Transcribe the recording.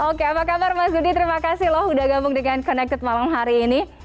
oke apa kabar mas budi terima kasih loh udah gabung dengan connected malam hari ini